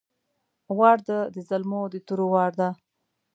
وار ده د زلمو د تورو وار ده!